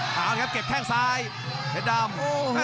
เอาเลยครับเก็บแขนที่ซ้ายเฮดดำ